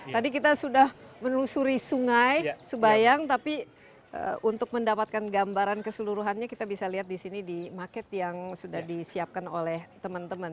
tadi kita sudah menelusuri sungai subayang tapi untuk mendapatkan gambaran keseluruhannya kita bisa lihat di sini di market yang sudah disiapkan oleh teman teman